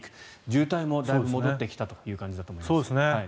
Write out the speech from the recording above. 渋滞もだいぶ戻ってきたという感じだと思います。